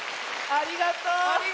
ありがとう！